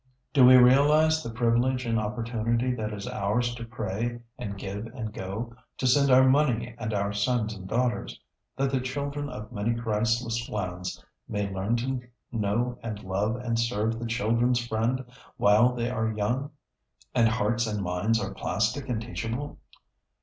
] Do we realize the privilege and opportunity that is ours to pray and give and go, to send our money and our sons and daughters, that the children of many Christless lands may learn to know and love and serve the children's Friend while they are young, and hearts and minds are plastic and teachable?